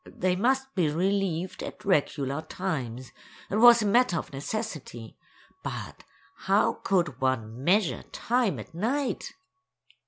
They must be relieved at regular times; it was a matter of necessity, but how could one measure time at night?